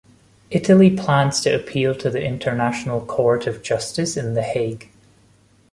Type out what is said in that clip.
Italy plans to appeal to the International Court of Justice in The Hague.